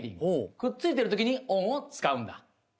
くっついてる時にｏｎを使うんだ。